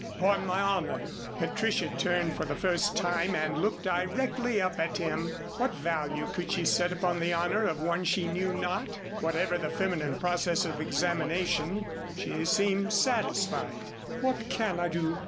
"Upon my honor." Patricia turned for the first time and looked directly up at him. What value could she set upon the honor of one she knew not? Whatever the feminine process of examination, she seemed satisfied. "What can I do?